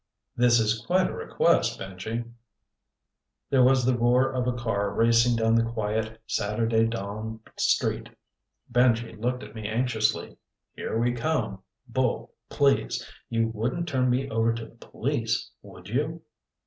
This is quite a request, Benji." There was the roar of a car racing down the quiet, Saturday dawn street. Benji looked at me anxiously. "Here we come. Bull, please! You wouldn't turn me over to the police. Would you?"